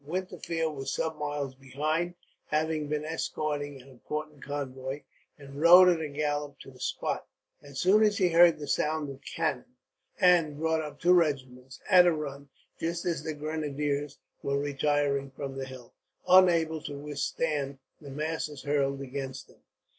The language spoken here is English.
Winterfeld was some miles behind, having been escorting an important convoy; and rode at a gallop to the spot, as soon as he heard the sound of cannon; and brought up two regiments, at a run, just as the grenadiers were retiring from the hill, unable to withstand the masses hurled against them.